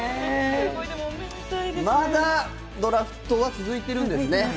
まだドラフトは続いているんですね？